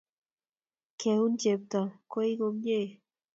Keun Cheptoo koi komnye.